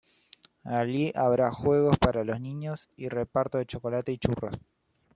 Allí habrá juegos para los niños y reparto de chocolate y churros.